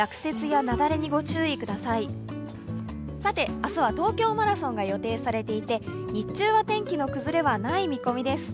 明日は東京マラソンが予定されていて、日中は天気の崩れはない見込みです。